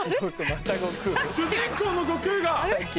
主人公の悟空が！